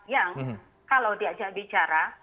yang kalau diajak bicara